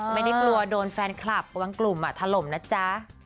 ไม่ได้กลัวโดนแฟนคลับบางกลุ่มถล่มนะจ๊ะ